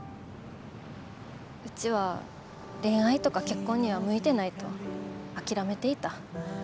うちは恋愛とか結婚には向いてないと諦めていた。